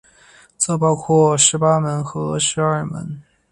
则包括十八门和十二门。